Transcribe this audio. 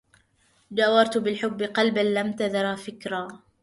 جاورت بالحب قلبا لم تذر فكرى